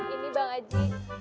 ini bang aji